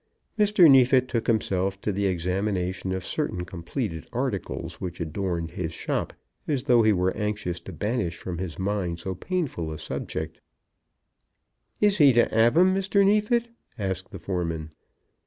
Mr. Neefit took himself to the examination of certain completed articles which adorned his shop, as though he were anxious to banish from his mind so painful a subject. "Is he to 'ave 'em, Mr. Neefit?" asked the foreman.